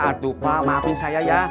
aduh pak maafin saya ya